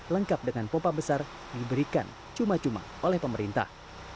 lengkap dengan pompa besar diberikan cuma cuma oleh pemerintah